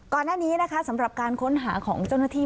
ก่อนหน้านี้นะคะสำหรับการค้นหาของเจ้าหน้าที่